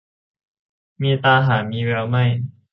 มีตาแต่หามีแววไม่